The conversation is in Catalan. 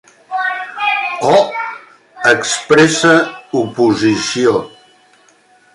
"O" expressa oposició.